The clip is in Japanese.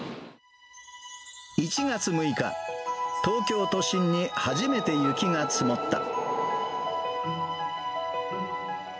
１月６日、東京都心に初めて雪が積もった。